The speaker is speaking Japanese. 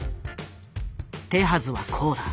手はずはこうだ。